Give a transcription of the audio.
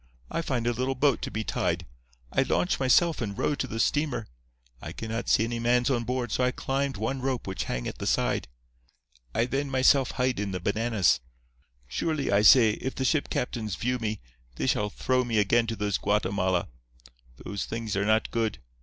I find a little boat to be tied. I launch myself and row to the steamer. I cannot see any mans on board, so I climbed one rope which hang at the side. I then myself hide in the bananas. Surely, I say, if the ship captains view me, they shall throw me again to those Guatemala. Those things are not good.